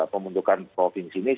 pemundukan provinsi ini